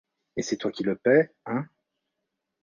Et c’est toi qui le paies, hein ?